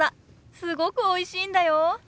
すごくおいしいんだよ。